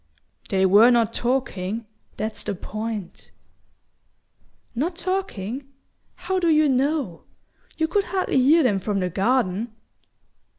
"They were not talking. That's the point " "Not talking? How do you know? You could hardly hear them from the garden!"